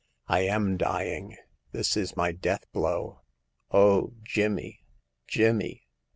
I am dying ; this is my death blow. O Jimmy, Jimmy